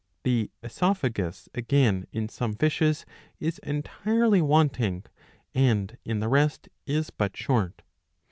The oesophagus again in some fishes is entirely wanting, and in the rest is but short.